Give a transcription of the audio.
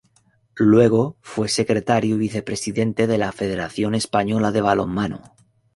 Luego fue secretario y vicepresidente de la Federación Española de Balonmano.